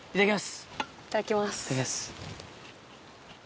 いただきます。